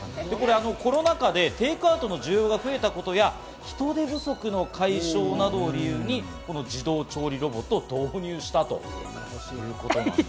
コロナ禍でテイクアウトの需要が増えたことや、人手不足の解消などを理由に自動調理ロボットを導入したということです。